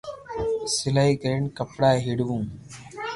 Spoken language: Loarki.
سلائي ڪرين ڪپڙا ھيڙوو